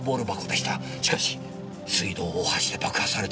しかし水道大橋で爆破されたのは。